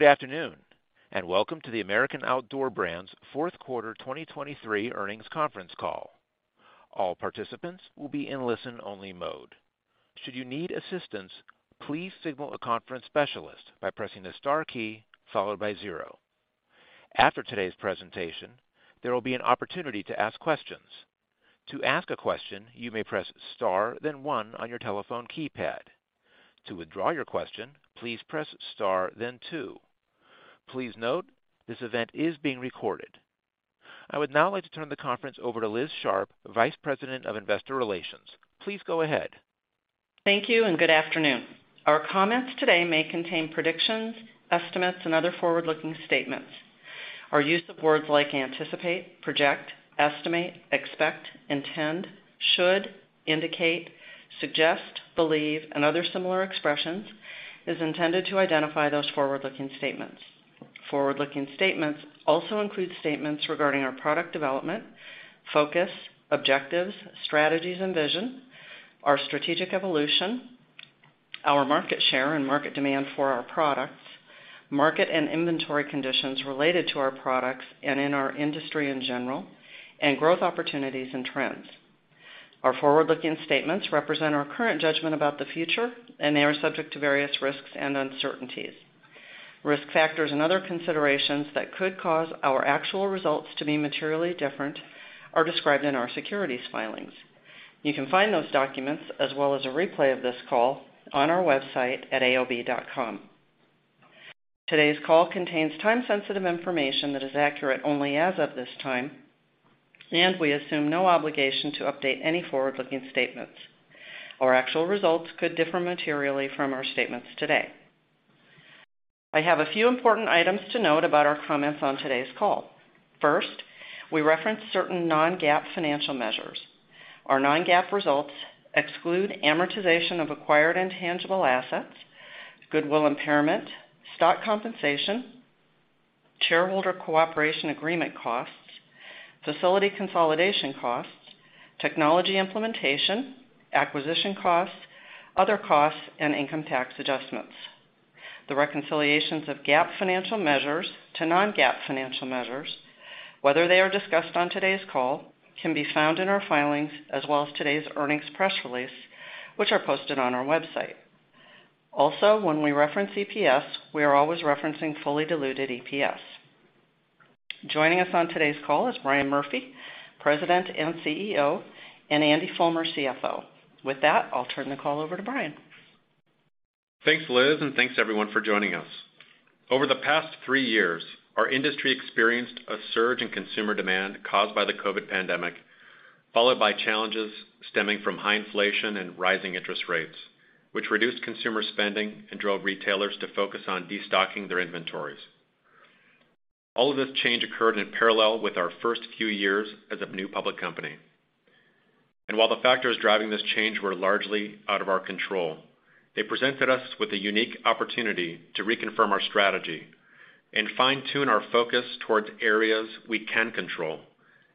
Good afternoon, welcome to the American Outdoor Brands Fourth Quarter 2023 Earnings Conference Call. All participants will be in listen-only mode. Should you need assistance, please signal a conference specialist by pressing the star key followed by zero. After today's presentation, there will be an opportunity to ask questions. To ask a question, you may press star, then one on your telephone keypad. To withdraw your question, please press star, then two. Please note, this event is being recorded. I would now like to turn the conference over to Liz Sharp, Vice President of Investor Relations. Please go ahead. Thank you, and good afternoon. Our comments today may contain predictions, estimates, and other forward-looking statements. Our use of words like anticipate, project, estimate, expect, intend, should, indicate, suggest, believe, and other similar expressions is intended to identify those forward-looking statements. Forward-looking statements also include statements regarding our product development, focus, objectives, strategies, and vision, our strategic evolution, our market share and market demand for our products, market and inventory conditions related to our products and in our industry in general, and growth opportunities and trends. Our forward-looking statements represent our current judgment about the future, and they are subject to various risks and uncertainties. Risk factors and other considerations that could cause our actual results to be materially different are described in our securities filings. You can find those documents, as well as a replay of this call, on our website at aob.com. Today's call contains time-sensitive information that is accurate only as of this time, and we assume no obligation to update any forward-looking statements. Our actual results could differ materially from our statements today. I have a few important items to note about our comments on today's call. First, we reference certain non-GAAP financial measures. Our non-GAAP results exclude amortization of acquired intangible assets, goodwill impairment, stock compensation, shareholder cooperation agreement costs, facility consolidation costs, technology implementation, acquisition costs, other costs, and income tax adjustments. The reconciliations of GAAP financial measures to non-GAAP financial measures, whether they are discussed on today's call, can be found in our filings, as well as today's earnings press release, which are posted on our website. When we reference EPS, we are always referencing fully diluted EPS. Joining us on today's call is Brian Murphy, President and CEO, and Andy Fulmer, CFO. With that, I'll turn the call over to Brian. Thanks, Liz, and thanks everyone for joining us. Over the past three years, our industry experienced a surge in consumer demand caused by the COVID pandemic, followed by challenges stemming from high inflation and rising interest rates, which reduced consumer spending and drove retailers to focus on destocking their inventories. All of this change occurred in parallel with our first few years as a new public company. While the factors driving this change were largely out of our control, they presented us with a unique opportunity to reconfirm our strategy and fine-tune our focus towards areas we can control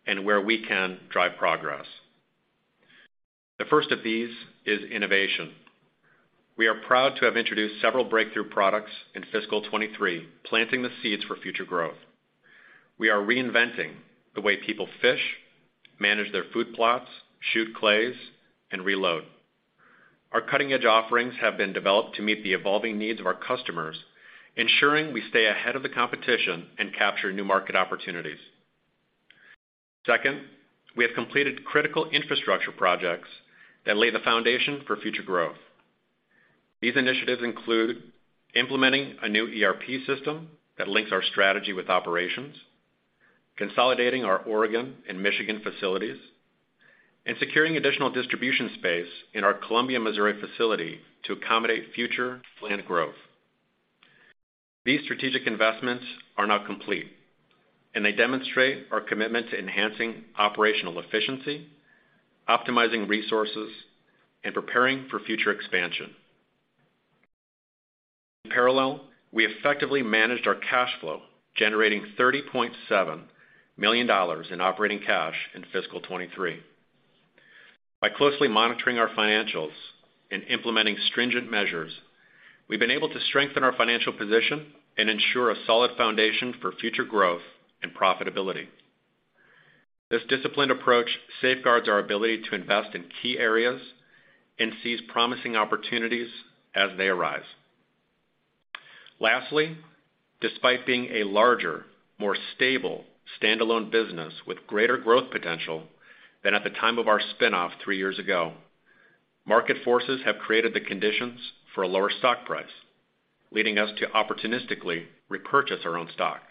and where we can drive progress. The first of these is innovation. We are proud to have introduced several breakthrough products in fiscal 2023, planting the seeds for future growth. We are reinventing the way people fish, manage their food plots, shoot clays, and reload. Our cutting-edge offerings have been developed to meet the evolving needs of our customers, ensuring we stay ahead of the competition and capture new market opportunities. Second, we have completed critical infrastructure projects that lay the foundation for future growth. These initiatives include implementing a new ERP system that links our strategy with operations, consolidating our Oregon and Michigan facilities, and securing additional distribution space in our Columbia, Missouri, facility to accommodate future planned growth. These strategic investments are now complete, and they demonstrate our commitment to enhancing operational efficiency, optimizing resources, and preparing for future expansion. In parallel, we effectively managed our cash flow, generating $30.7 million in operating cash in fiscal 2023. By closely monitoring our financials and implementing stringent measures, we've been able to strengthen our financial position and ensure a solid foundation for future growth and profitability. This disciplined approach safeguards our ability to invest in key areas and seize promising opportunities as they arise. Lastly, despite being a larger, more stable, standalone business with greater growth potential than at the time of our spin-off three years ago, market forces have created the conditions for a lower stock price, leading us to opportunistically repurchase our own stock.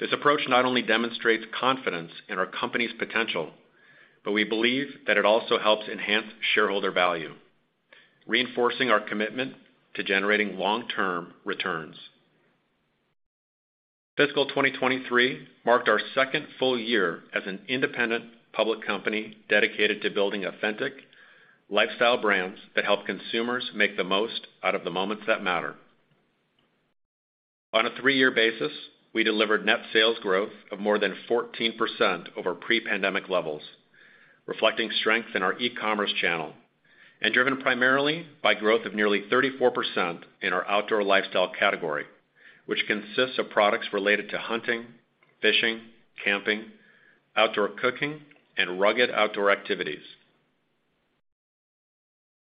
This approach not only demonstrates confidence in our company's potential, but we believe that it also helps enhance shareholder value, reinforcing our commitment to generating long-term returns. Fiscal 2023 marked our second full year as an independent public company dedicated to building authentic lifestyle brands that help consumers make the most out of the moments that matter. On a three-year basis, we delivered net sales growth of more than 14% over pre-pandemic levels, reflecting strength in our e-commerce channel. Driven primarily by growth of nearly 34% in our outdoor lifestyle category, which consists of products related to hunting, fishing, camping, outdoor cooking, and rugged outdoor activities.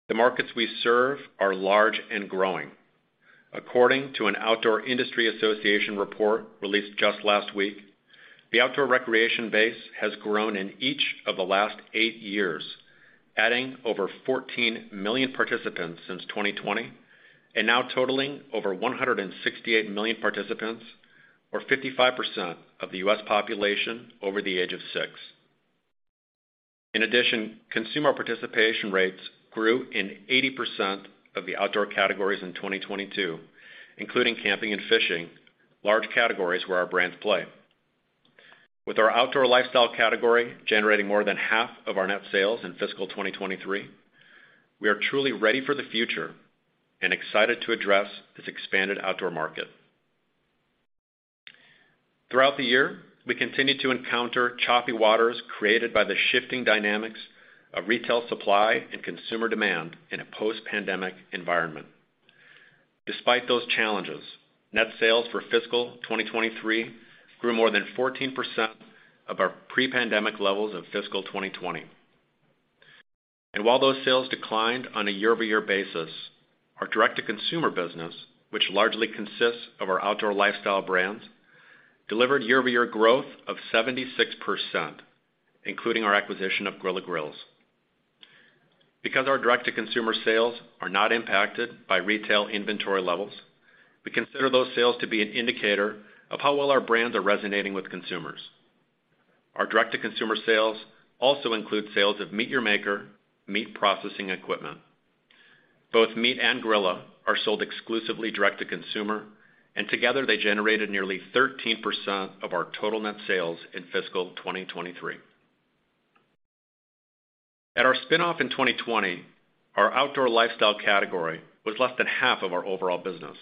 The markets we serve are large and growing. According to an Outdoor Industry Association report released just last week, the outdoor recreation base has grown in each of the last eight years, adding over 14 million participants since 2020, and now totaling over 168 million participants, or 55% of the U.S. population over the age of six. In addition, consumer participation rates grew in 80% of the outdoor categories in 2022, including camping and fishing, large categories where our brands play. With our outdoor lifestyle category generating more than half of our net sales in fiscal 2023, we are truly ready for the future and excited to address this expanded outdoor market. Throughout the year, we continued to encounter choppy waters created by the shifting dynamics of retail supply and consumer demand in a post-pandemic environment. Despite those challenges, net sales for fiscal 2023 grew more than 14% of our pre-pandemic levels in fiscal 2020. While those sales declined on a year-over-year basis, our direct-to-consumer business, which largely consists of our outdoor lifestyle brands, delivered year-over-year growth of 76%, including our acquisition of Grilla Grills. Because our direct-to-consumer sales are not impacted by retail inventory levels, we consider those sales to be an indicator of how well our brands are resonating with consumers. Our direct-to-consumer sales also include sales of MEAT! Your Maker meat processing equipment. Both MEAT! and Grilla are sold exclusively direct-to-consumer, and together, they generated nearly 13% of our total net sales in fiscal 2023. At our spin-off in 2020, our outdoor lifestyle category was less than 1/2 of our overall business.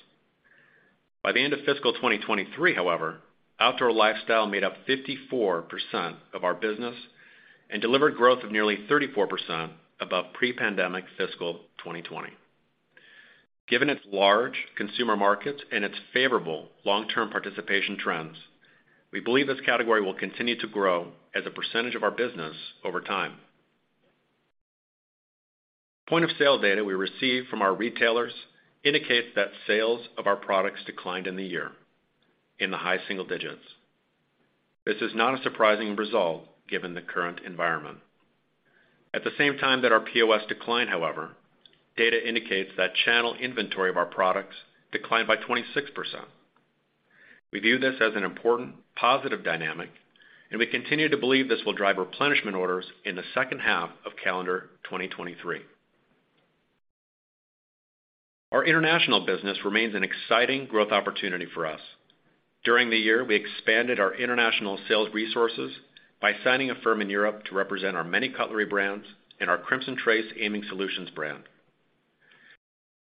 By the end of fiscal 2023, however, outdoor lifestyle made up 54% of our business and delivered growth of nearly 34% above pre-pandemic fiscal 2020. Given its large consumer markets and its favorable long-term participation trends, we believe this category will continue to grow as a percentage of our business over time. Point-of-sale data we receive from our retailers indicates that sales of our products declined in the year, in the high single-digits. This is not a surprising result given the current environment. At the same time that our POS declined, however, data indicates that channel inventory of our products declined by 26%. We view this as an important positive dynamic, and we continue to believe this will drive replenishment orders in the second half of calendar 2023. Our international business remains an exciting growth opportunity for us. During the year, we expanded our international sales resources by signing a firm in Europe to represent our many cutlery brands and our Crimson Trace Aiming Solutions brand.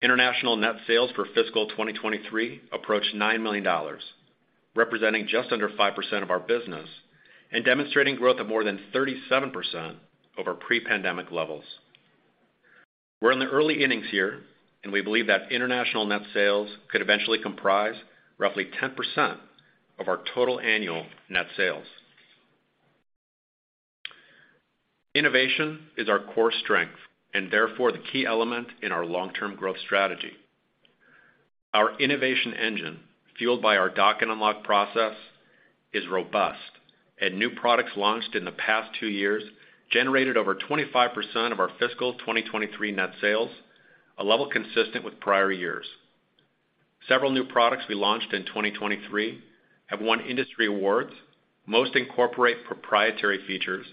International net sales for fiscal 2023 approached $9 million, representing just under 5% of our business and demonstrating growth of more than 37% over pre-pandemic levels. We're in the early innings here, and we believe that international net sales could eventually comprise roughly 10% of our total annual net sales. Innovation is our core strength and therefore the key element in our long-term growth strategy. Our innovation engine, fueled by our Dock and Unlock process, is robust, and new products launched in the past two years generated over 25% of our fiscal 2023 net sales, a level consistent with prior years. Several new products we launched in 2023 have won industry awards. Most incorporate proprietary features,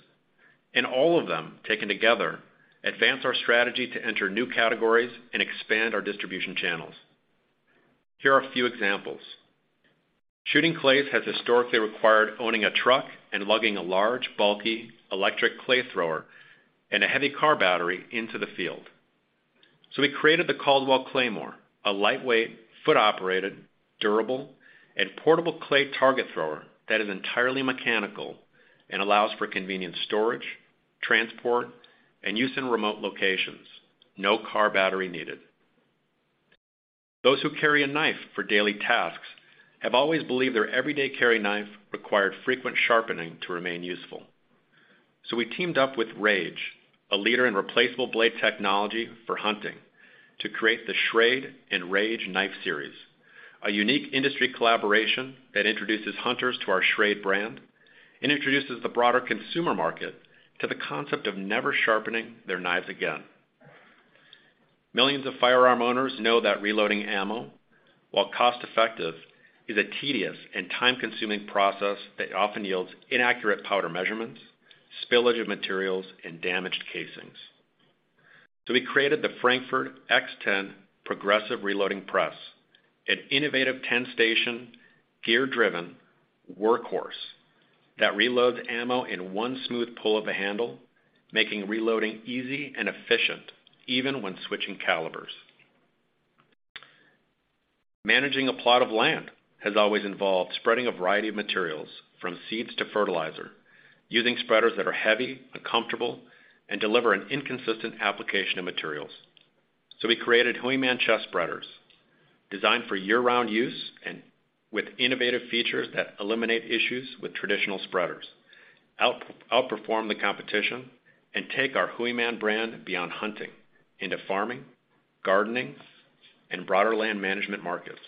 and all of them, taken together, advance our strategy to enter new categories and expand our distribution channels. Here are a few examples. Shooting clays has historically required owning a truck and lugging a large, bulky, electric clay thrower and a heavy car battery into the field. We created the Caldwell Claymore, a lightweight, foot-operated, durable, and portable clay target thrower that is entirely mechanical and allows for convenient storage, transport, and use in remote locations. No car battery needed. Those who carry a knife for daily tasks have always believed their everyday carry knife required frequent sharpening to remain useful. We teamed up with Rage, a leader in replaceable blade technology for hunting, to create the Schrade and Rage Knife series, a unique industry collaboration that introduces hunters to our Schrade brand and introduces the broader consumer market to the concept of never sharpening their knives again. Millions of firearm owners know that reloading ammo, while cost-effective, is a tedious and time-consuming process that often yields inaccurate powder measurements, spillage of materials, and damaged casings. We created the Frankford X-10 progressive reloading press, an innovative 10-station, gear-driven workhorse that reloads ammo in one smooth pull of a handle, making reloading easy and efficient, even when switching calibers. Managing a plot of land has always involved spreading a variety of materials, from seeds to fertilizer, using spreaders that are heavy, uncomfortable, and deliver an inconsistent application of materials. We created Hooyman Chest Spreaders, designed for year-round use and with innovative features that eliminate issues with traditional spreaders, outperform the competition, and take our Hooyman brand beyond hunting into farming, gardening, and broader land management markets.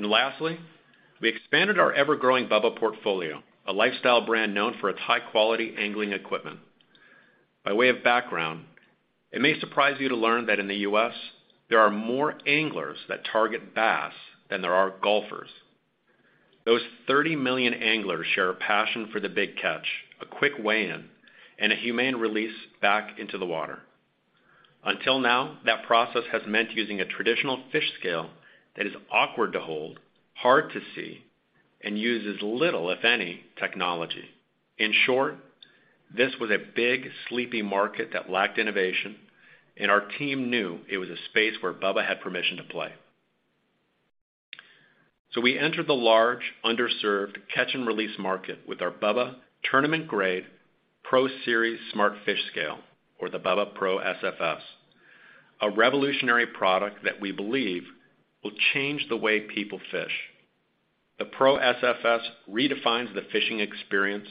Lastly, we expanded our ever-growing BUBBA portfolio, a lifestyle brand known for its high-quality angling equipment. By way of background, it may surprise you to learn that in the U.S., there are more anglers that target bass than there are golfers. Those 30 million anglers share a passion for the big catch, a quick weigh-in, and a humane release back into the water. Until now, that process has meant using a traditional fish scale that is awkward to hold, hard to see, and uses little, if any, technology. In short, this was a big, sleepy market that lacked innovation, our team knew it was a space where BUBBA had permission to play. We entered the large, underserved catch and release market with our BUBBA tournament-grade Pro Series Smart Fish Scale, or the BUBBA Pro SFS, a revolutionary product that we believe will change the way people fish. The Pro SFS redefines the fishing experience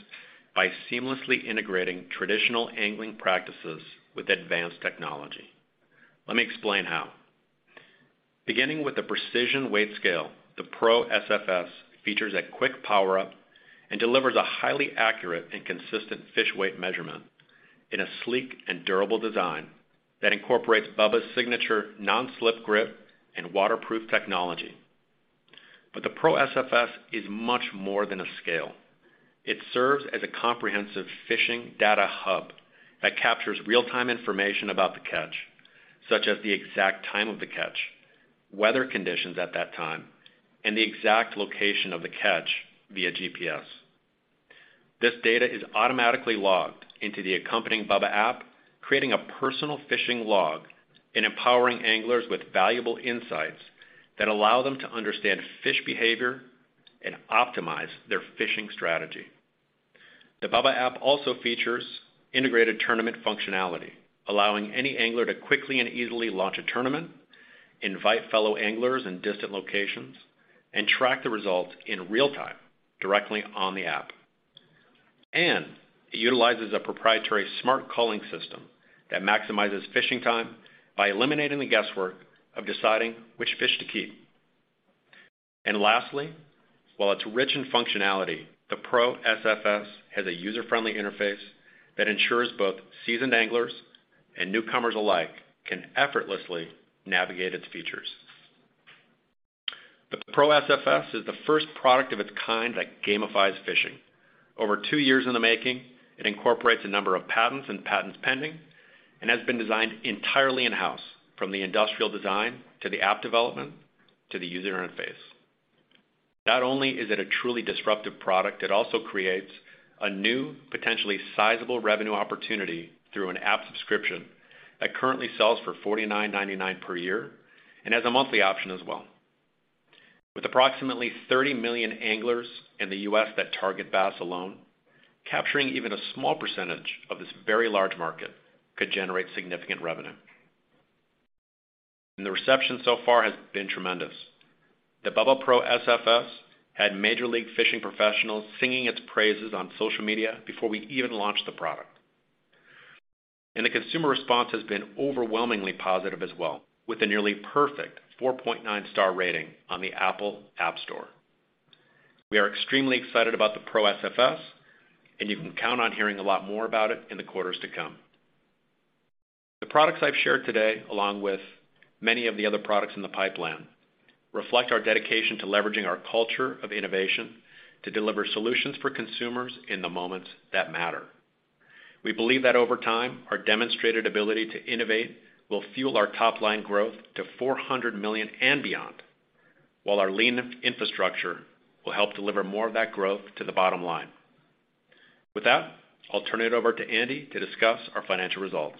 by seamlessly integrating traditional angling practices with advanced technology. Let me explain how. Beginning with the precision weight scale, the Pro SFS features a quick power up and delivers a highly accurate and consistent fish weight measurement in a sleek and durable design that incorporates BUBBA's signature nonslip grip and waterproof technology. The Pro SFS is much more than a scale. It serves as a comprehensive fishing data hub that captures real-time information about the catch, such as the exact time of the catch, weather conditions at that time, and the exact location of the catch via GPS. This data is automatically logged into the accompanying BUBBA app, creating a personal fishing log and empowering anglers with valuable insights that allow them to understand fish behavior and optimize their fishing strategy. The BUBBA app also features integrated tournament functionality, allowing any angler to quickly and easily launch a tournament, invite fellow anglers in distant locations, and track the results in real time, directly on the app. It utilizes a proprietary smart culling system that maximizes fishing time by eliminating the guesswork of deciding which fish to keep. Lastly, while it's rich in functionality, the Pro SFS has a user-friendly interface that ensures both seasoned anglers and newcomers alike can effortlessly navigate its features. The Pro SFS is the first product of its kind that gamifies fishing. Over two years in the making, it incorporates a number of patents and patents pending and has been designed entirely in-house, from the industrial design, to the app development, to the user interface. Not only is it a truly disruptive product, it also creates a new, potentially sizable revenue opportunity through an app subscription that currently sells for $49.99 per year and has a monthly option as well. With approximately 30 million anglers in the U.S. that target bass alone, capturing even a small percentage of this very large market could generate significant revenue. The reception so far has been tremendous. The BUBBA Pro SFS had Major League Fishing professionals singing its praises on social media before we even launched the product. The consumer response has been overwhelmingly positive as well, with a nearly perfect 4.9 star rating on the Apple App Store. We are extremely excited about the Pro SFS, You can count on hearing a lot more about it in the quarters to come. The products I've shared today, along with many of the other products in the pipeline, reflect our dedication to leveraging our culture of innovation to deliver solutions for consumers in the moments that matter. We believe that over time, our demonstrated ability to innovate will fuel our top-line growth to $400 million and beyond, while our lean infrastructure will help deliver more of that growth to the bottom-line. With that, I'll turn it over to Andy to discuss our financial results.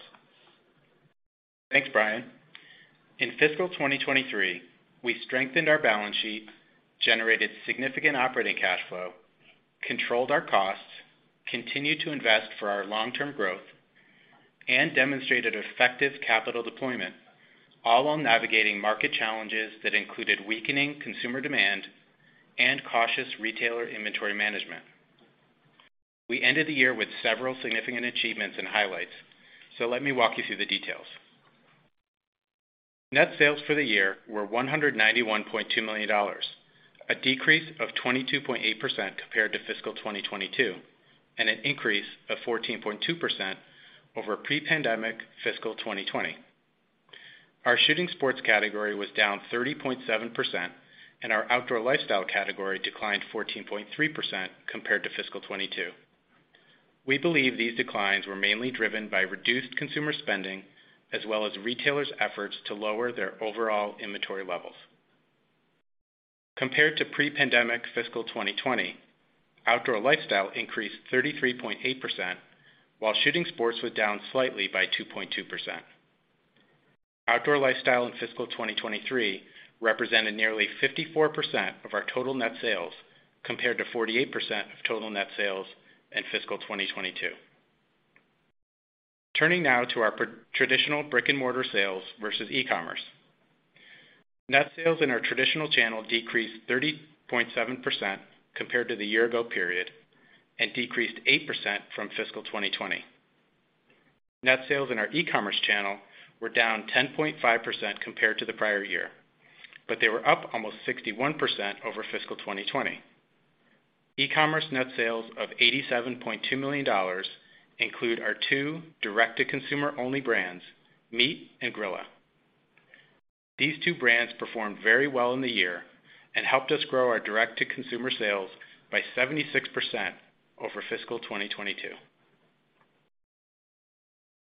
Thanks, Brian. In fiscal 2023, we strengthened our balance sheet, generated significant operating cash flow, controlled our costs, continued to invest for our long-term growth, and demonstrated effective capital deployment, all while navigating market challenges that included weakening consumer demand and cautious retailer inventory management. We ended the year with several significant achievements and highlights. Let me walk you through the details. Net sales for the year were $191.2 million, a decrease of 22.8% compared to fiscal 2022, and an increase of 14.2% over pre-pandemic fiscal 2020. Our shooting sports category was down 30.7%, and our outdoor lifestyle category declined 14.3% compared to fiscal 2022. We believe these declines were mainly driven by reduced consumer spending, as well as retailers' efforts to lower their overall inventory levels. Compared to pre-pandemic fiscal 2020, outdoor lifestyle increased 33.8%, while shooting sports was down slightly by 2.2%. Outdoor lifestyle in fiscal 2023 represented nearly 54% of our total net sales, compared to 48% of total net sales in fiscal 2022. Turning now to our traditional brick-and-mortar sales versus e-commerce. Net sales in our traditional channel decreased 30.7% compared to the year-ago period, and decreased 8% from fiscal 2020. Net sales in our e-commerce channel were down 10.5% compared to the prior year, but they were up almost 61% over fiscal 2020. E-commerce net sales of $87.2 million include our two direct-to-consumer-only brands, MEAT! and Grilla. These two brands performed very well in the year and helped us grow our direct-to-consumer sales by 76% over fiscal 2022.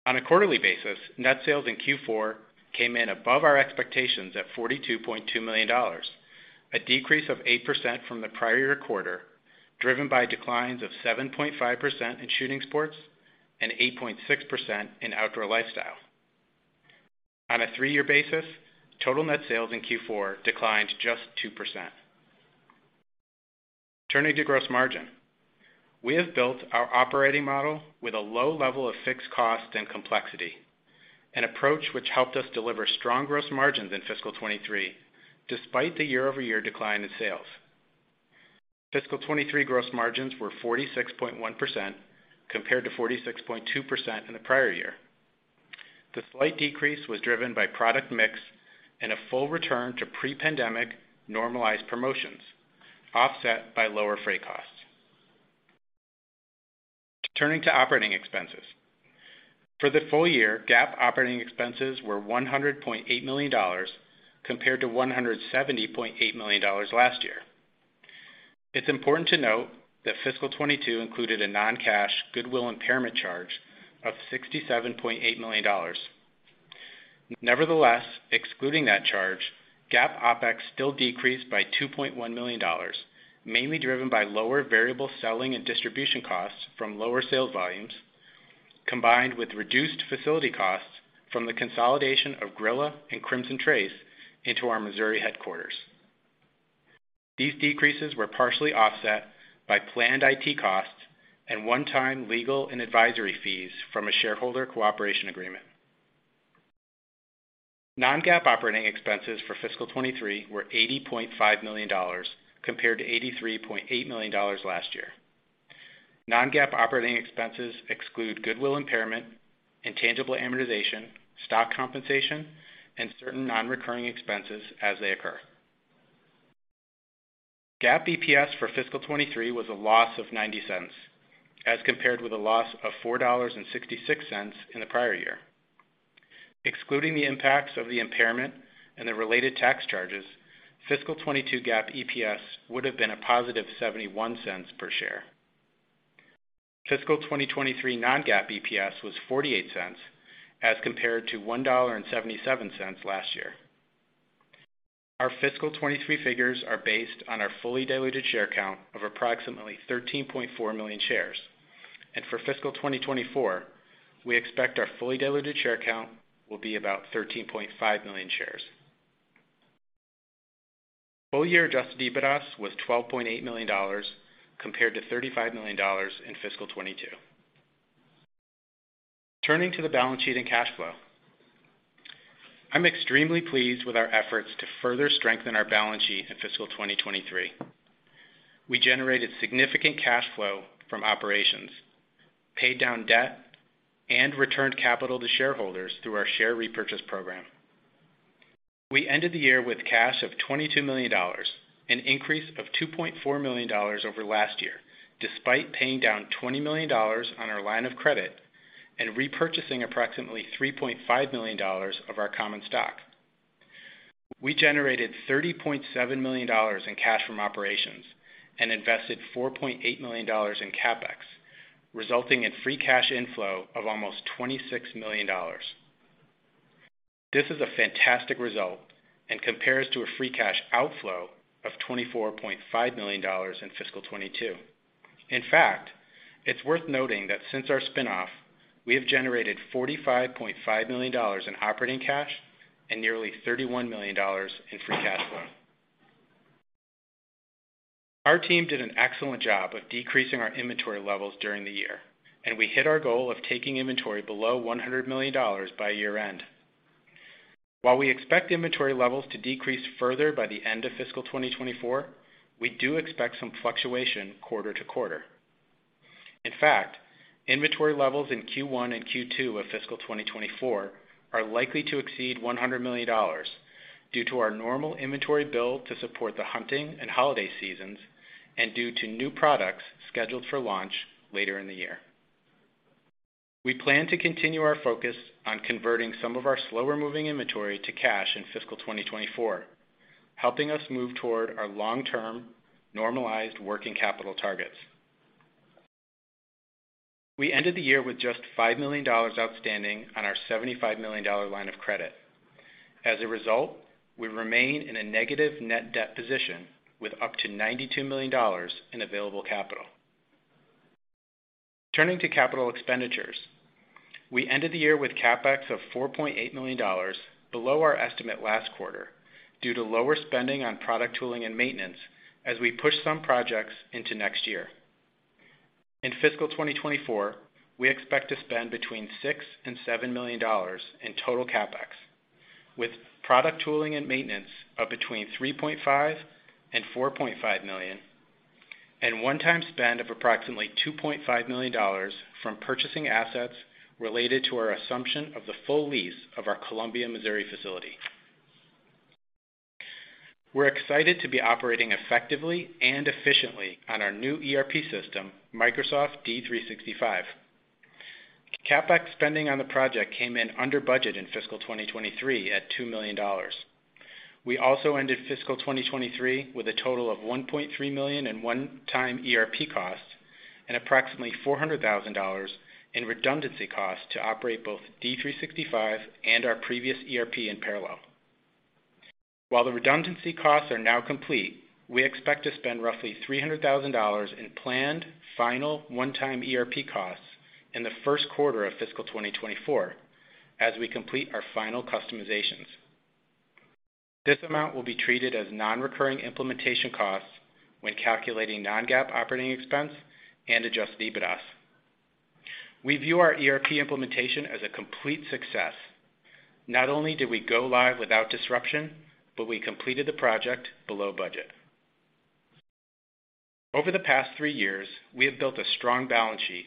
On a quarterly basis, net sales in Q4 came in above our expectations at $42.2 million, a decrease of 8% from the prior-year quarter, driven by declines of 7.5% in shooting sports and 8.6% in outdoor lifestyle. On a three-year basis, total net sales in Q4 declined just 2%. Turning to gross margin. We have built our operating model with a low level of fixed cost and complexity, an approach which helped us deliver strong gross margins in fiscal 2023, despite the year-over-year decline in sales. Fiscal 2023 gross margins were 46.1%, compared to 46.2% in the prior year. The slight decrease was driven by product mix and a full return to pre-pandemic normalized promotions, offset by lower freight costs. Turning to operating expenses. For the full year, GAAP operating expenses were $100.8 million, compared to $170.8 million last year. It's important to note that fiscal 2022 included a non-cash goodwill impairment charge of $67.8 million. Nevertheless, excluding that charge, GAAP OpEx still decreased by $2.1 million, mainly driven by lower variable selling and distribution costs from lower sales volumes, combined with reduced facility costs from the consolidation of Grilla and Crimson Trace into our Missouri headquarters. These decreases were partially offset by planned IT costs and one-time legal and advisory fees from a shareholder cooperation agreement. Non-GAAP operating expenses for fiscal 2023 were $80.5 million, compared to $83.8 million last year. Non-GAAP operating expenses exclude goodwill impairment, intangible amortization, stock compensation, and certain non-recurring expenses as they occur. GAAP EPS for fiscal 2023 was a loss of $0.90, as compared with a loss of $4.66 in the prior year. Excluding the impacts of the impairment and the related tax charges, fiscal 2022 GAAP EPS would have been a positive $0.71 per share. Fiscal 2023 non-GAAP EPS was $0.48, as compared to $1.77 last year. Our fiscal 2023 figures are based on our fully diluted share count of approximately 13.4 million shares, and for fiscal 2024, we expect our fully diluted share count will be about 13.5 million shares. Full-year adjusted EBITDA was $12.8 million, compared to $35 million in fiscal 2022. Turning to the balance sheet and cash flow. I'm extremely pleased with our efforts to further strengthen our balance sheet in fiscal 2023. We generated significant cash flow from operations, paid down debt, and returned capital to shareholders through our share repurchase program. We ended the year with cash of $22 million, an increase of $2.4 million over last year, despite paying down $20 million on our line of credit and repurchasing approximately $3.5 million of our common stock. We generated $30.7 million in cash from operations and invested $4.8 million in CapEx, resulting in free cash inflow of almost $26 million. This is a fantastic result and compares to a free cash outflow of $24.5 million in fiscal 2022. In fact, it's worth noting that since our spin-off, we have generated $45.5 million in operating cash and nearly $31 million in free cash flow. Our team did an excellent job of decreasing our inventory levels during the year, and we hit our goal of taking inventory below $100 million by year-end. While we expect inventory levels to decrease further by the end of fiscal 2024, we do expect some fluctuation quarter-to-quarter. In fact, inventory levels in Q1 and Q2 of fiscal 2024 are likely to exceed $100 million due to our normal inventory build to support the hunting and holiday seasons, and due to new products scheduled for launch later in the year. We plan to continue our focus on converting some of our slower-moving inventory to cash in fiscal 2024, helping us move toward our long-term normalized working capital targets. We ended the year with just $5 million outstanding on our $75 million line of credit. As a result, we remain in a negative net debt position, with up to $92 million in available capital. Turning to capital expenditures, we ended the year with CapEx of $4.8 million, below our estimate last quarter, due to lower spending on product tooling and maintenance as we pushed some projects into next year. In fiscal 2024, we expect to spend between $6 million and $7 million in total CapEx, with product tooling and maintenance of between $3.5 million and $4.5 million, and one-time spend of approximately $2.5 million from purchasing assets related to our assumption of the full lease of our Columbia, Missouri, facility. We're excited to be operating effectively and efficiently on our new ERP system, Microsoft D365. CapEx spending on the project came in under budget in fiscal 2023 at $2 million. We also ended fiscal 2023 with a total of $1.3 million in one-time ERP costs and approximately $400,000 in redundancy costs to operate both D365 and our previous ERP in parallel. While the redundancy costs are now complete, we expect to spend roughly $300,000 in planned, final, one-time ERP costs in the first quarter of fiscal 2024 as we complete our final customizations. This amount will be treated as non-recurring implementation costs when calculating non-GAAP operating expense and adjusted EBITDAs. We view our ERP implementation as a complete success. Not only did we go live without disruption, but we completed the project below budget. Over the past three years, we have built a strong balance sheet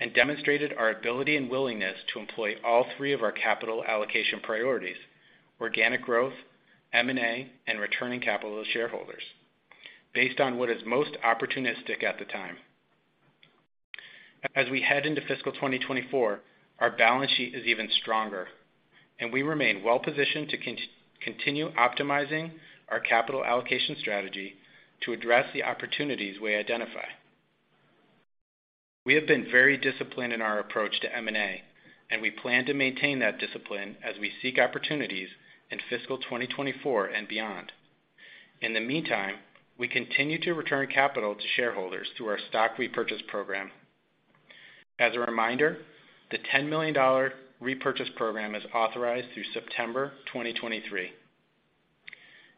and demonstrated our ability and willingness to employ all three of our capital allocation priorities: organic growth, M&A, and returning capital to shareholders, based on what is most opportunistic at the time. As we head into fiscal 2024, our balance sheet is even stronger. We remain well-positioned to continue optimizing our capital allocation strategy to address the opportunities we identify. We have been very disciplined in our approach to M&A. We plan to maintain that discipline as we seek opportunities in fiscal 2024 and beyond. In the meantime, we continue to return capital to shareholders through our stock repurchase program. As a reminder, the $10 million repurchase program is authorized through September 2023.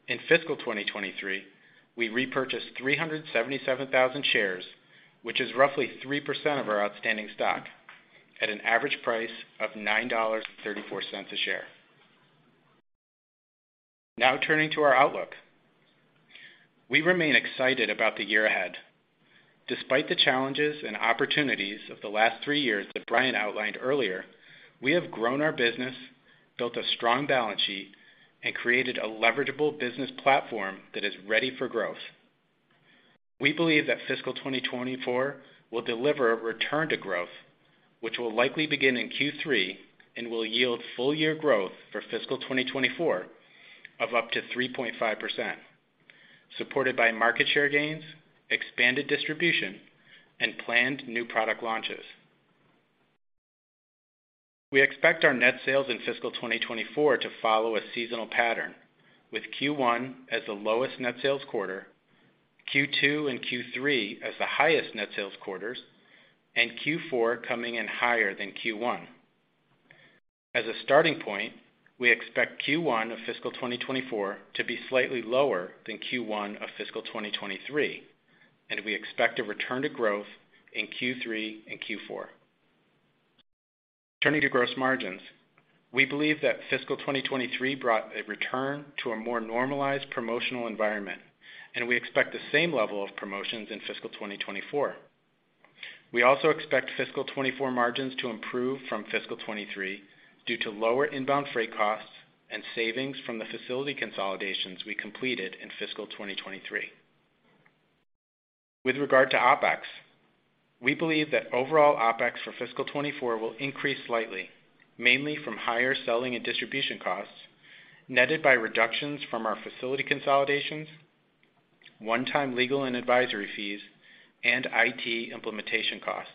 In fiscal 2023, we repurchased 377,000 shares, which is roughly 3% of our outstanding stock, at an average price of $9.34 a share. Turning to our outlook. We remain excited about the year ahead. Despite the challenges and opportunities of the last three years that Brian outlined earlier, we have grown our business, built a strong balance sheet, and created a leveragable business platform that is ready for growth. We believe that fiscal 2024 will deliver a return to growth, which will likely begin in Q3 and will yield full-year growth for fiscal 2024 of up to 3.5%, supported by market share gains, expanded distribution, and planned new product launches. We expect our net sales in fiscal 2024 to follow a seasonal pattern, with Q1 as the lowest net sales quarter, Q2 and Q3 as the highest net sales quarters, and Q4 coming in higher than Q1. As a starting point, we expect Q1 of fiscal 2024 to be slightly lower than Q1 of fiscal 2023, and we expect a return to growth in Q3 and Q4. Turning to gross margins, we believe that fiscal 2023 brought a return to a more normalized promotional environment, and we expect the same level of promotions in fiscal 2024. We also expect fiscal 2024 margins to improve from fiscal 2023 due to lower inbound freight costs and savings from the facility consolidations we completed in fiscal 2023. With regard to OpEx, we believe that overall OpEx for fiscal 2024 will increase slightly, mainly from higher selling and distribution costs, netted by reductions from our facility consolidations, one-time legal and advisory fees, and IT implementation costs.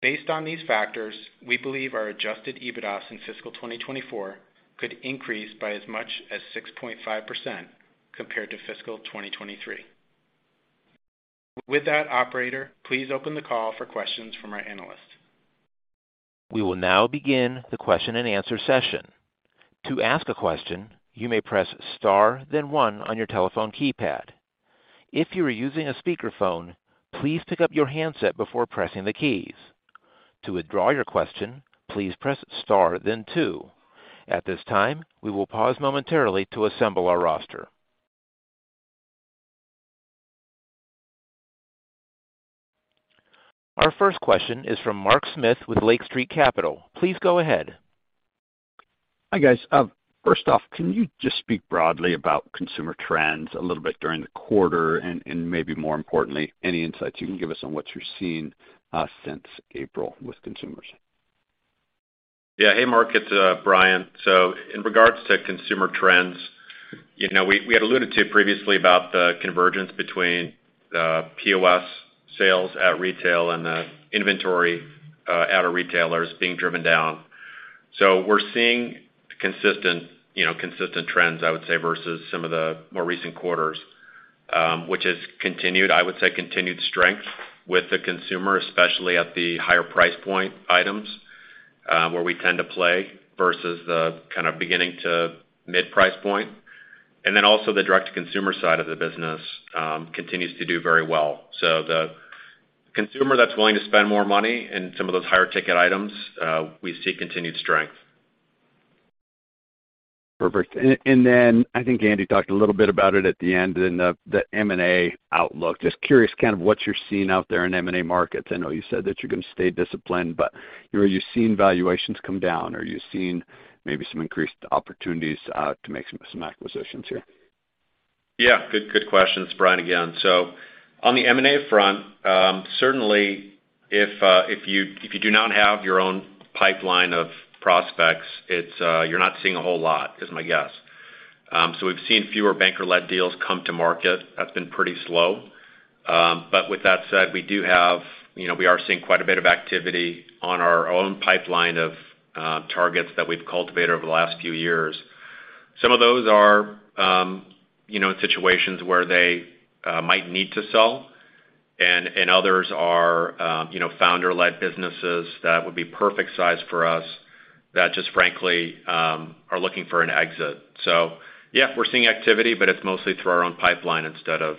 Based on these factors, we believe our adjusted EBITDAs in fiscal 2024 could increase by as much as 6.5% compared to fiscal 2023. With that, operator, please open the call for questions from our analysts. We will now begin the question-and-answer session. To ask a question, you may press star then one on your telephone keypad. If you are using a speakerphone, please pick up your handset before pressing the keys. To withdraw your question, please press star then two. At this time, we will pause momentarily to assemble our roster. Our first question is from Mark Smith with Lake Street Capital. Please go ahead. Hi, guys. First off, can you just speak broadly about consumer trends a little bit during the quarter, and maybe more importantly, any insights you can give us on what you're seeing since April with consumers? Yeah. Hey, Mark, it's Brian. In regards to consumer trends, you know, we had alluded to previously about the convergence between POS sales at retail and the inventory at our retailers being driven down. We're seeing consistent, you know, consistent trends, I would say, versus some of the more recent quarters, which has continued strength with the consumer, especially at the higher price point items, where we tend to play versus the kind of beginning to mid price point. Also the direct-to-consumer side of the business continues to do very well. The consumer that's willing to spend more money in some of those higher ticket items, we see continued strength. Perfect. Then I think Andy talked a little bit about it at the end in the M&A outlook. Just curious, kind of what you're seeing out there in M&A markets? I know you said that you're going to stay disciplined, but, you know, are you seeing valuations come down? Are you seeing maybe some increased opportunities to make some acquisitions here? Yeah, good questions. Brian again. On the M&A front, certainly, if you, if you do not have your own pipeline of prospects, it's, you're not seeing a whole lot, is my guess. We've seen fewer banker-led deals come to market. That's been pretty slow. With that said, you know, we are seeing quite a bit of activity on our own pipeline of targets that we've cultivated over the last few years. Some of those are, you know, situations where they might need to sell, and others are, you know, founder-led businesses that would be perfect size for us, that just frankly, are looking for an exit. Yeah, we're seeing activity, but it's mostly through our own pipeline instead of,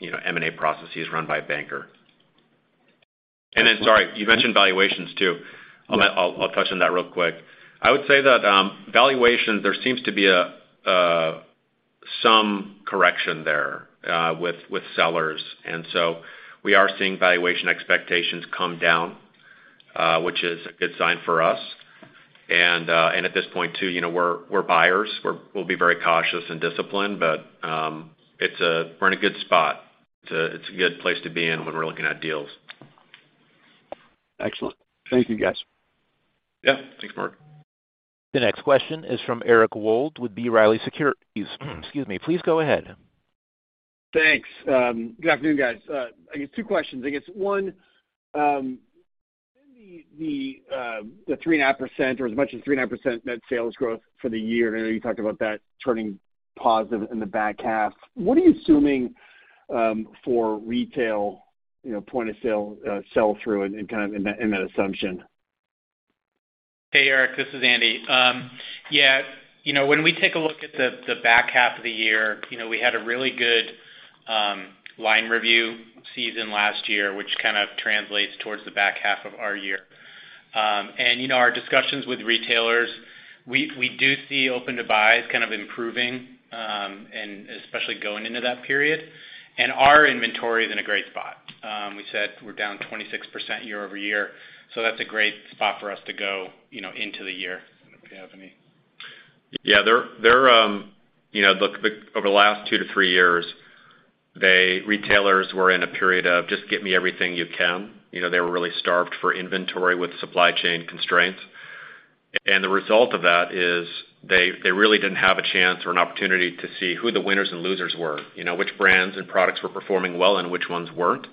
you know, M&A processes run by a banker. Sorry, you mentioned valuations, too. Yeah. I'll touch on that real quick. I would say that, valuation, there seems to be a some correction there, with sellers, we are seeing valuation expectations come down, which is a good sign for us. At this point, too, you know, we're buyers. We'll be very cautious and disciplined, but, we're in a good spot. It's a good place to be in when we're looking at deals. Excellent. Thank you, guys. Yeah. Thanks, Mark. The next question is from Eric Wold with B. Riley Securities. Excuse me. Please go ahead. Thanks. good afternoon, guys. I guess two questions. I guess one, the 3.5% or as much as 3.5% net sales growth for the year, I know you talked about that turning positive in the back half. What are you assuming for retail, you know, point of sale, sell-through and kind of in that assumption? Hey, Eric, this is Andy. Yeah, you know, when we take a look at the back half of the year, you know, we had a really good line review season last year, which kind of translates towards the back half of our year. You know, our discussions with retailers, we do see open-to-buys kind of improving, especially going into that period. Our inventory is in a great spot. We said we're down 26% year-over-year, so that's a great spot for us to go, you know, into the year. I don't know if you have any... Yeah, there, you know, look, over the last two to three years, the retailers were in a period of, "Just get me everything you can." You know, they were really starved for inventory with supply chain constraints. The result of that is they really didn't have a chance or an opportunity to see who the winners and losers were. You know, which brands and products were performing well and which ones weren't.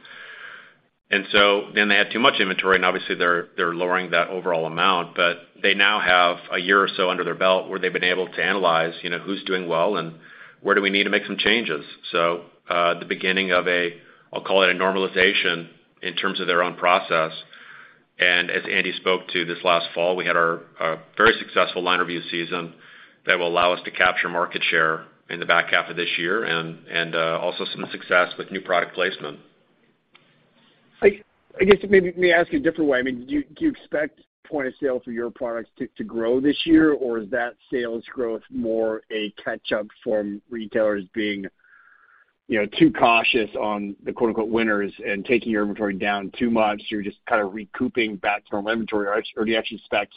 They had too much inventory, and obviously, they're lowering that overall amount. They now have a year or so under their belt where they've been able to analyze, you know, who's doing well and where do we need to make some changes. The beginning of a normalization in terms of their own process. As Andy spoke to this last fall, we had a very successful line review season that will allow us to capture market share in the back half of this year and also some success with new product placement. I guess, maybe let me ask a different way. I mean, do you expect point of sale for your products to grow this year, or is that sales growth more a catch-up from retailers being, you know, too cautious on the "winners" and taking your inventory down too much, so you're just kind of recouping back normal inventory? Or do you actually expect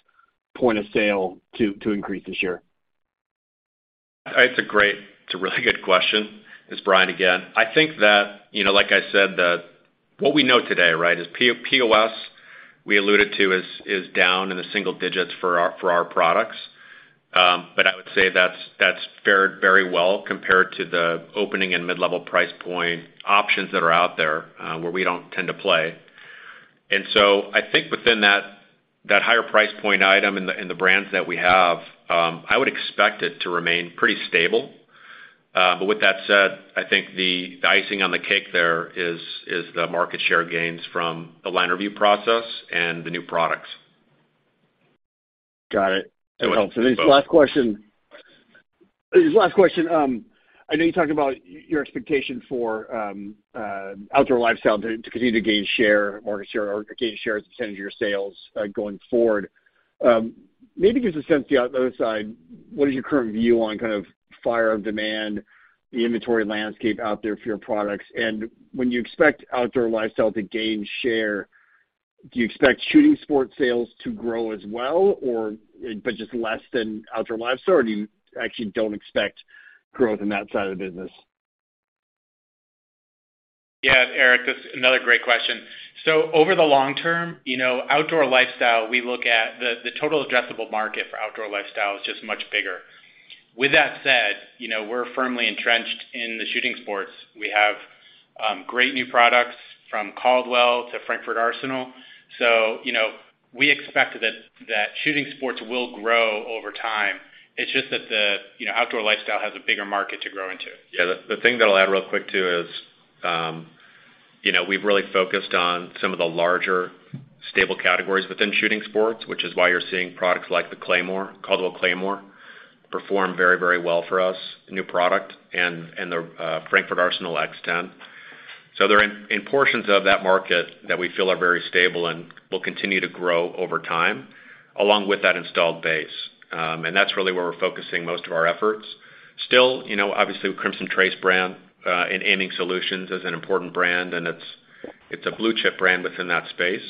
point of sale to increase this year? It's a really good question. It's Brian again. I think that, you know, like I said, what we know today, right, is POS, we alluded to, is down in the single-digits for our products. I would say that's fared very well compared to the opening and mid-level price point options that are out there, where we don't tend to play. I think within that higher price point item and the brands that we have, I would expect it to remain pretty stable. With that said, I think the icing on the cake there is the market share gains from the line review process and the new products. Got it. To it, both. That helps. Then last question. I know you talked about your expectation for outdoor lifestyle to continue to gain share, market share or gain share as a percentage of your sales going forward. Maybe give us a sense the other side, what is your current view on kind of fire of demand, the inventory landscape out there for your products? When you expect outdoor lifestyle to gain share, do you expect shooting sport sales to grow as well, or... but just less than outdoor lifestyle, or do you actually don't expect growth in that side of the business? Yeah, Eric, that's another great question. Over the long term, you know, outdoor lifestyle, we look at the total addressable market for outdoor lifestyle is just much bigger. With that said, you know, we're firmly entrenched in the shooting sports. We have great new products from Caldwell to Frankford Arsenal. You know, we expect that shooting sports will grow over time. It's just that, you know, outdoor lifestyle has a bigger market to grow into. Yeah, the thing that I'll add real quick, too, is, you know, we've really focused on some of the larger, stable categories within shooting sports, which is why you're seeing products like the Claymore, Caldwell Claymore, perform very, very well for us, new product, and the Frankford Arsenal X-10. They're in portions of that market that we feel are very stable and will continue to grow over time, along with that installed base. That's really where we're focusing most of our efforts. Still, you know, obviously, the Crimson Trace brand, in Aiming Solutions is an important brand, and it's a blue-chip brand within that space.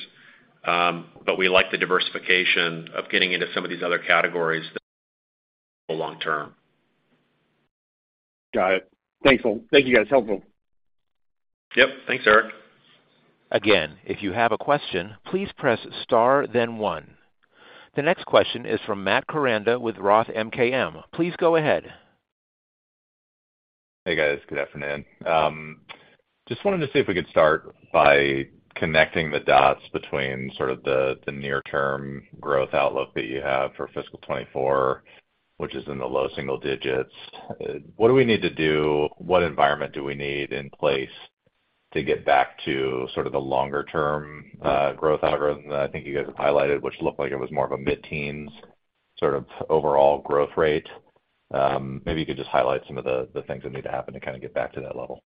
We like the diversification of getting into some of these other categories that long term. Got it. Thanks, all. Thank you, guys. Helpful. Yep. Thanks, Eric. If you have a question, please press star, then one. The next question is from Matt Koranda with ROTH MKM. Please go ahead. Hey, guys. Good afternoon. Just wanted to see if we could start by connecting the dots between sort of the near-term growth outlook that you have for fiscal 2024, which is in the low single-digits. What do we need to do? What environment do we need in place to get back to sort of the longer-term, growth algorithm that I think you guys have highlighted, which looked like it was more of a mid-teens sort of overall growth rate? Maybe you could just highlight some of the things that need to happen to kind of get back to that level.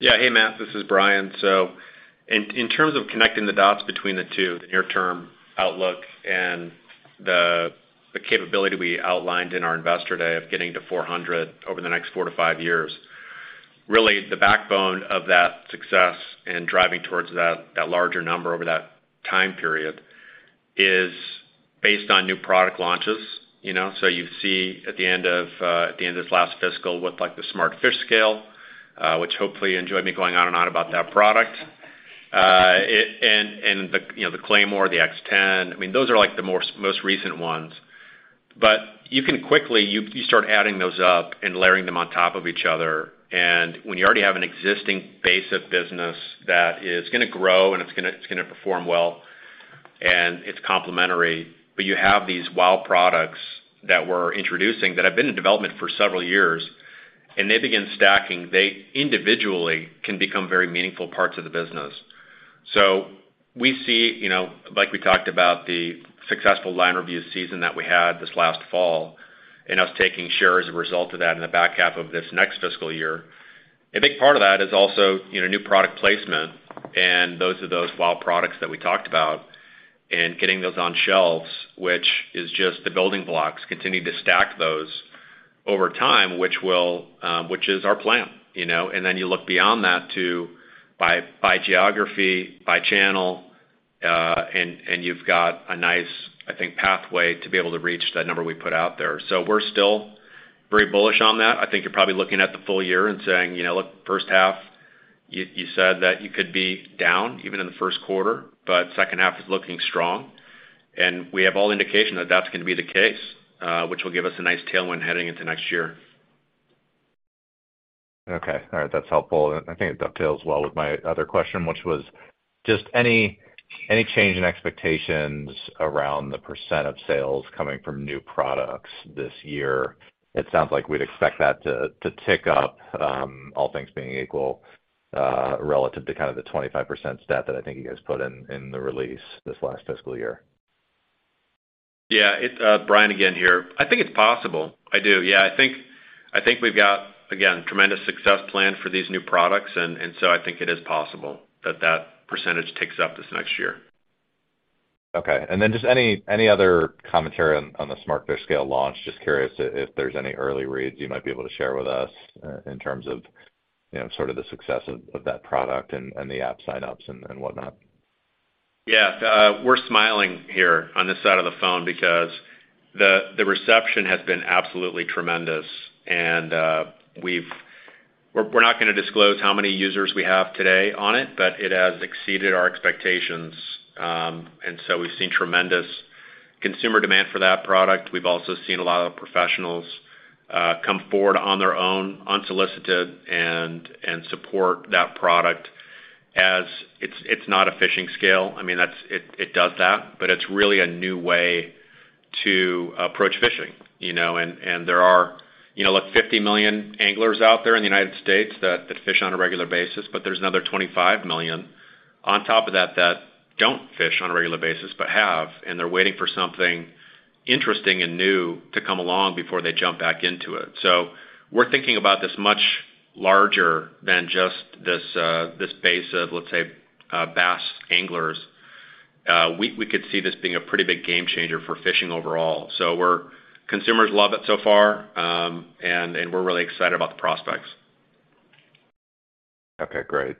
Yeah. Hey, Matt, this is Brian. In terms of connecting the dots between the two, the near-term outlook and the capability we outlined in our Investor Day of getting to 400 over the next four to five years, really, the backbone of that success and driving towards that larger number over that time period is based on new product launches, you know? You see at the end of this last fiscal with, like, the Smart Fish Scale, which hopefully you enjoyed me going on and on about that product. And the, you know, the Claymore, the X-10, I mean, those are, like, the most recent ones. You can quickly, you start adding those up and layering them on top of each other, and when you already have an existing base of business that is going to grow, and it's gonna perform well, and it's complementary, but you have these wow products that we're introducing that have been in development for several years, and they begin stacking, they individually can become very meaningful parts of the business. We see, you know, like we talked about the successful line review season that we had this last fall, and us taking share as a result of that in the back half of this next fiscal year. A big part of that is also, you know, new product placement and those are those wow products that we talked about, and getting those on shelves, which is just the building blocks, continuing to stack those over time, which will, which is our plan, you know. Then you look beyond that to by geography, by channel, and you've got a nice, I think, pathway to be able to reach that number we put out there. We're still very bullish on that. I think you're probably looking at the full year and saying, "You know, look, first half, you said that you could be down even in the first quarter, but second half is looking strong." We have all indication that that's going to be the case, which will give us a nice tailwind heading into next year. Okay. All right. That's helpful. I think it dovetails well with my other question, which was just any change in expectations around the percent of sales coming from new products this year? It sounds like we'd expect that to tick up, all things being equal, relative to kind of the 25% stat that I think you guys put in the release this last fiscal year. It's Brian again here. I think it's possible. I do. I think we've got, again, tremendous success planned for these new products, and so I think it is possible that that percentage ticks up this next year. Okay. Then just any other commentary on the Smart Fish Scale launch? Just curious if there's any early reads you might be able to share with us in terms of, you know, sort of the success of that product and the app signups and whatnot. Yeah. We're smiling here on this side of the phone because the reception has been absolutely tremendous. We're not going to disclose how many users we have today on it, but it has exceeded our expectations. We've seen tremendous consumer demand for that product. We've also seen a lot of professionals come forward on their own, unsolicited and support that product. As it's not a fishing scale. I mean, it does that, but it's really a new way to approach fishing, you know? There are, you know, like, 50 million anglers out there in the United States that fish on a regular basis, but there's another 25 million on top of that don't fish on a regular basis, but have, and they're waiting for something interesting and new to come along before they jump back into it. We're thinking about this much larger than just this base of, let's say, bass anglers. We could see this being a pretty big game changer for fishing overall. Consumers love it so far, and we're really excited about the prospects. Okay, great.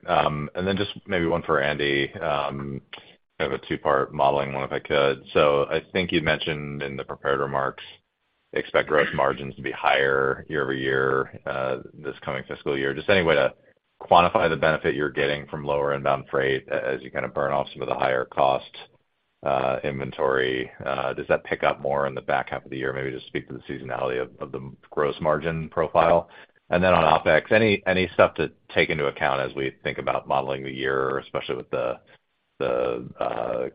Just maybe one for Andy. I have a two-part modeling one, if I could. I think you'd mentioned in the prepared remarks expect gross margins to be higher year-over-year this coming fiscal year? Just any way to quantify the benefit you're getting from lower inbound freight as you kind of burn off some of the higher cost inventory. Does that pick up more in the back half of the year? Maybe just speak to the seasonality of the gross margin profile. On OpEx, any stuff to take into account as we think about modeling the year, especially with the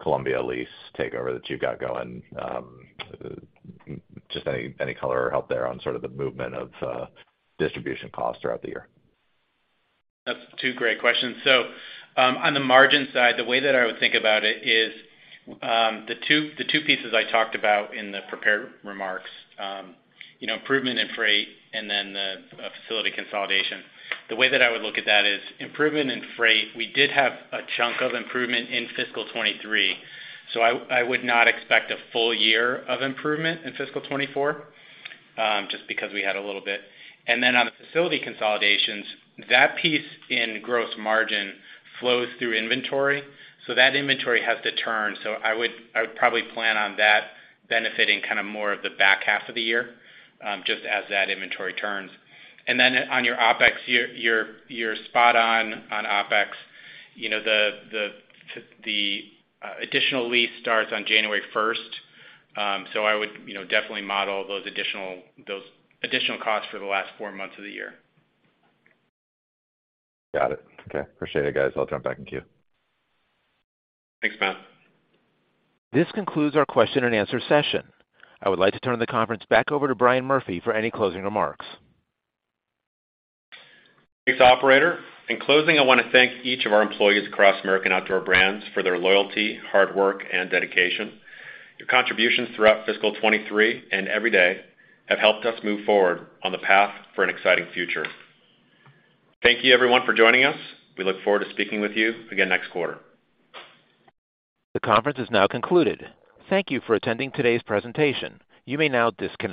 Columbia lease takeover that you've got going? Just any color or help there on sort of the movement of distribution costs throughout the year. That's two great questions. On the margin side, the way that I would think about it is, the two pieces I talked about in the prepared remarks. You know, improvement in freight and then the facility consolidation. The way that I would look at that is improvement in freight, we did have a chunk of improvement in fiscal 2023, so I would not expect a full year of improvement in fiscal 2024, just because we had a little bit. On the facility consolidations, that piece in gross margin flows through inventory, so that inventory has to turn. I would probably plan on that benefiting kind of more of the back half of the year, just as that inventory turns. On your OpEx, you're spot on OpEx. You know, the additional lease starts on January 1st, I would, you know, definitely model those additional costs for the last four months of the year. Got it. Okay. Appreciate it, guys. I'll jump back in queue. Thanks, Matt. This concludes our question-and-answer session. I would like to turn the conference back over to Brian Murphy for any closing remarks. Thanks, operator. In closing, I want to thank each of our employees across American Outdoor Brands for their loyalty, hard work, and dedication. Your contributions throughout fiscal 2023 and every day have helped us move forward on the path for an exciting future. Thank you everyone for joining us. We look forward to speaking with you again next quarter. The conference is now concluded. Thank you for attending today's presentation. You may now disconnect.